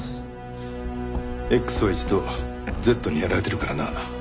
Ｘは一度Ｚにやられてるからな。